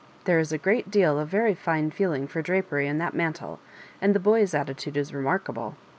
There is a great deal of very fine feeling for dra pery in that mantle « and the boy's attitude is remarkable.